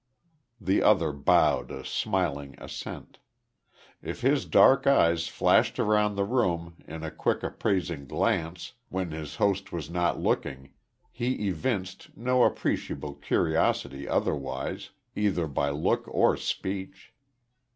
The other bowed a smiling assent. If his dark eyes flashed round the room in a quick appraising glance when his host was not, looking he evinced no appreciable curiosity otherwise, either by look or speech.